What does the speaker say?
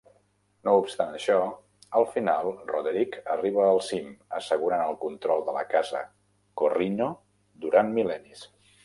No obstant això, al final Roderick arriba al cim assegurant el control de la Casa Corrino durant mil·lennis.